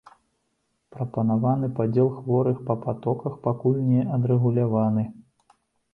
Прапанаваны падзел хворых па патоках пакуль не адрэгуляваны.